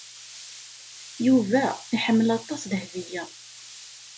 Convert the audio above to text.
Yuba iḥemmel aṭas Dahbiya.